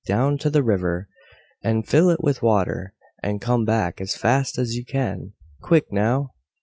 } down to the river and fill it with water, and come back as fast as you can, QUICK NOW!"